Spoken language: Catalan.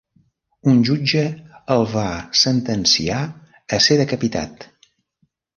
Un jutge el va sentenciar a ser decapitat.